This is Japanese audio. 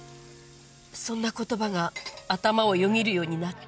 そんな言葉が頭をよぎるようになって。